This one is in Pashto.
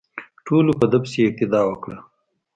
ټولو په ده پسې اقتدا وکړه.